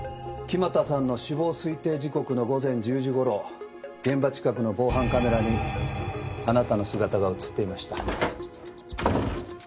木俣さんの死亡推定時刻の午前１０時頃現場近くの防犯カメラにあなたの姿が映っていました。